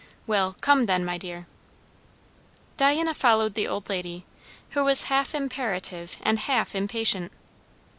Well, come then, my dear." Diana followed the old lady, who was half imperative and half impatient.